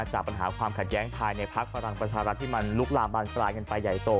จากปัญหาความขัดแย้งภายในพักพลังประชารัฐที่มันลุกลามบานปลายกันไปใหญ่โต